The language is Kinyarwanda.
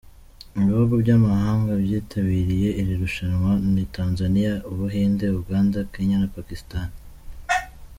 Ibihugu by’amahanga byitabiriye iri rushanwa ni Tanzania, u Buhinde, Uganda, Kenya na Pakistan.